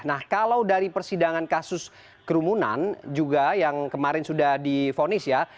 nah kalau dari persidangan kasus kerumunan juga yang kemarin sudah difonis ya